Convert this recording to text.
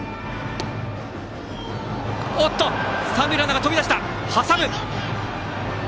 三塁ランナー、飛び出した！